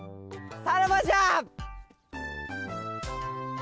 さらばじゃ！